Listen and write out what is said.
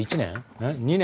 えっ２年？